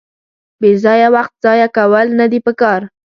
بېځایه وخت ځایه کول ندي پکار.